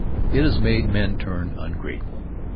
It has made men turn ungrateful.